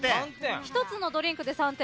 １つのドリンクで３点。